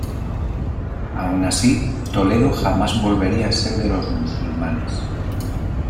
Aun así, Toledo jamás volvería a ser de los musulmanes.